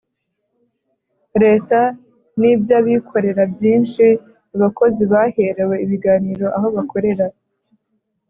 Leta n iby abikorera byinshi abakozi baherewe ibiganiro aho bakorera